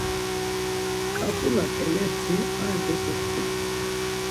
Ǩap̆ula ǩeleti ar bozo dgin.